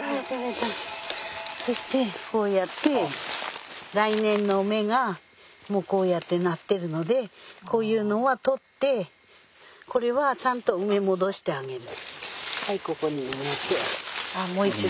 そしてこうやって来年の芽がこうやってなってるのでこういうのはとってこれはちゃんと埋め戻してあげる。